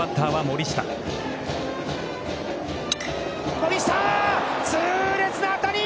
森下、痛烈な当たり。